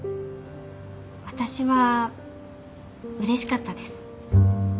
私はうれしかったです。